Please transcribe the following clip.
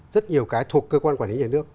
rất nhiều cái thuộc cơ quan quản lý nhà nước